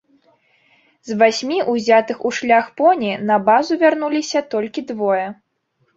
З васьмі узятых у шлях поні на базу вярнуліся толькі двое.